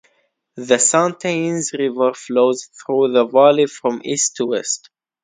The Santa Ynez River flows through the valley from east to west.